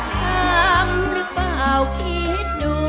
ถามหรือเปล่าคิดดู